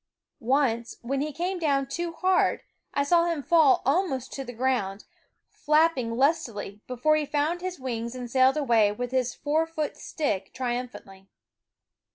Once, when he came down too hard, I saw him fall almost to the ground, flapping lustily, before he found his wings and sailed away with his four foot stick tri umphantly.